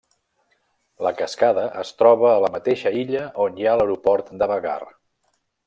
La cascada es troba a la mateixa illa on hi ha l'aeroport de Vagar.